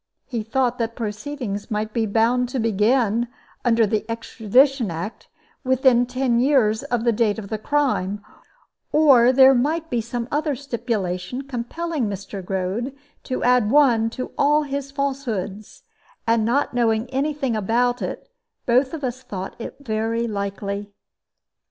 He thought that proceedings might be bound to begin, under the Extradition Act, within ten years of the date of the crime; or there might be some other stipulation compelling Mr. Goad to add one to all his falsehoods; and not knowing any thing about it, both of us thought it very likely.